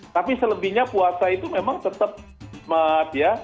tapi selebihnya puasa itu memang tetap ya